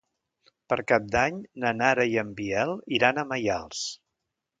Per Cap d'Any na Nara i en Biel iran a Maials.